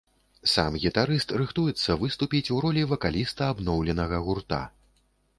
Сам гітарыст рыхтуецца выступіць у ролі вакаліста абноўленага гурта.